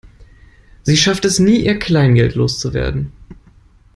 Sie schafft es nie, ihr Kleingeld loszuwerden.